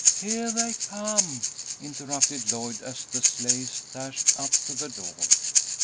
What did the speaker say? "Heah they come," interrupted Lloyd, as the sleighs dashed up to the door.